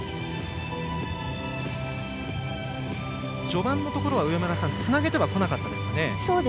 序盤のところはつなげてはこなかったですね。